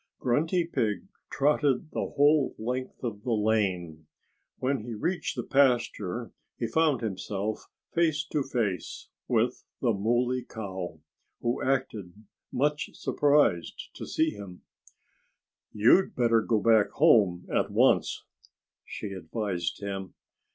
Grunty Pig trotted the whole length of the lane. When he reached the pasture he found himself face to face with the Muley Cow, who acted much surprised to see him there. "You'd better go back home at once," she advised him.